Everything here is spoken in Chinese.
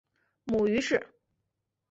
母于氏。